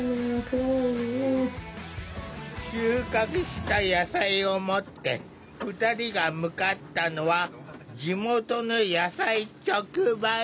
収穫した野菜を持って２人が向かったのは地元の野菜直売所。